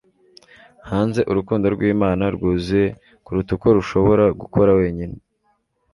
hanze urukundo rw'imana rwuzuye kuruta uko rushobora gukora wenyine